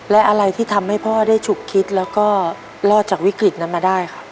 และอะไรที่ทำให้พ่อได้ฉุกคิดแล้วก็รอดจากวิกฤตนั้นมาได้ครับ